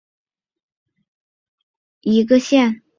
叶城县是中国新疆维吾尔自治区喀什地区所辖的一个县。